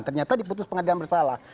ternyata diputus pengadilan bersalah